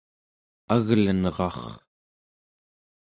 aglenrar